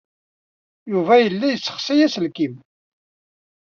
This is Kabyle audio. Yuba yella yessexsay aselkim.